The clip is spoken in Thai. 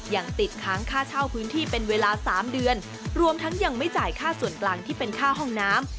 ยังติดค้างค่าเช่าพื้นที่เป็นเวลา๓เดือนรวมทั้งยังไม่จ่ายค่าส่วนกลางที่เป็นค่าห้องน้ำ